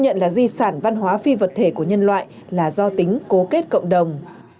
nhận là di sản văn hóa phi vật thể của nhân loại là do tính cố kết cộng đồng